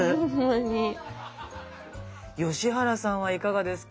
吉原さんはいかがですか？